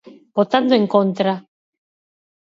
Votando en contra.